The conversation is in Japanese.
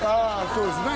そうですね